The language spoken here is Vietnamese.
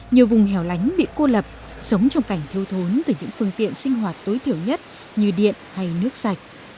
nhiều vùng hẻo lánh bị cô lập sống trong cảnh thiêu thốn từ những phương tiện sinh hoạt tối thiểu nhất như điện hay nước sạch